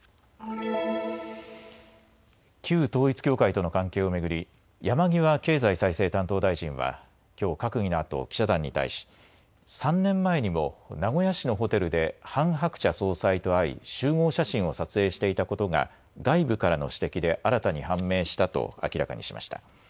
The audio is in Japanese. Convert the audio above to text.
旧統一教会との関係を巡り山際経済再生担当大臣はきょう閣議のあと記者団に対し３年前にも名古屋市のホテルでハン・ハクチャ総裁と会い集合写真を撮影していたことが外部からの指摘で新たに判明したと明らかにしました。